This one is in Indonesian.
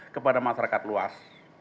kepada masyarakat luas